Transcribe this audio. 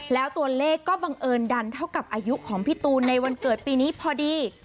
แล้วตัวเลขก็บังเอิญดันเท่ากับอายุของพี่ตูนในวันเกิดปีนี้พอดี